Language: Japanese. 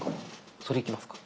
それいきますか？